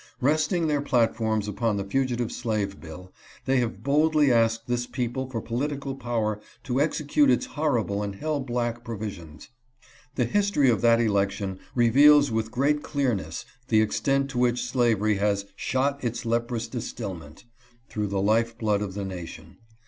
Resting their platforms upon the fugitive slave bill, they have boldly asked this people for political power to execute its horrible and hell black provisions. The history of that election reveals with great clearness the extent to which slavery has "shot its leprous distillment " through the life blood of the nation.